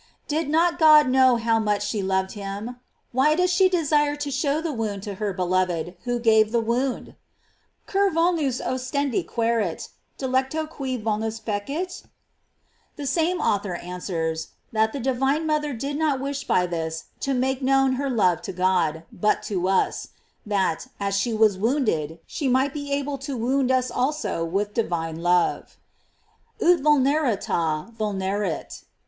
"* Did not God know how much she loved him ? Why does she desire to show the wound to her beloved who gave the wound ? "Cur vulnus ostendi quserit dilecto qui vulnus fecit ?" The same author answers, that the divine mother did not wish by this to make known her love to God, but to us ; that, as she was wounded, she might be able to wound us also with divine love : "Ut vulnerata vulneret."